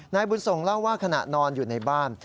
นายบุญส่งเล่าว่าขณะนอนอยู่ในบ้าน